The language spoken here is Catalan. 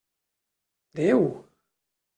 Déu!